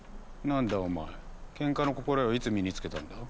なんだお前ケンカの心得をいつ身につけたんだ？